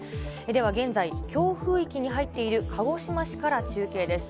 では現在、強風域に入っている鹿児島市から中継です。